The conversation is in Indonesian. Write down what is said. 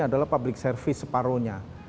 adalah public service separohnya